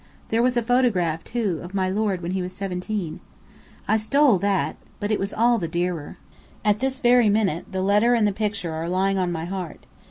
There was a photograph, too, of my lord when he was seventeen. I stole that, but it was all the dearer. At this very minute, the letter and the picture are lying on my heart.